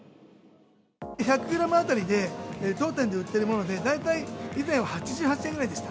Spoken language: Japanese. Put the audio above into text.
１００グラム当たりで、当店で売ってるもので、大体以前は８８円ぐらいでした。